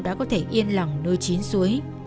đã có thể yên lòng nơi chín suối